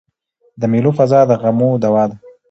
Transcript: د مېلو فضا د غمو دوا ده.